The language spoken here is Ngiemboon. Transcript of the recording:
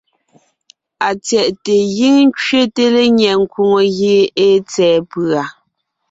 Atsyɛ̀ʼte giŋ kẅete lenyɛ nkwòŋo gie èe tsètsɛ̀ɛ pʉ̀a.